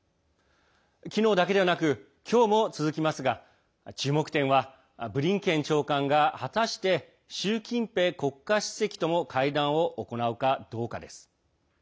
昨日だけではなく今日も続きますが注目点は、ブリンケン長官が果たして習近平国家主席とも会談を行うかどうかです。